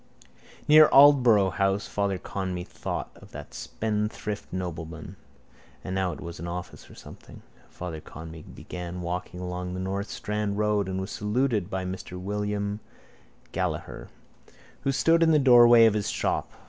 Near Aldborough house Father Conmee thought of that spendthrift nobleman. And now it was an office or something. Father Conmee began to walk along the North Strand road and was saluted by Mr William Gallagher who stood in the doorway of his shop.